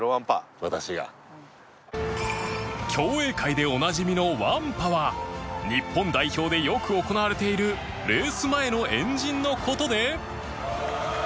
競泳界でおなじみのワンパは日本代表でよく行われているレース前の円陣の事で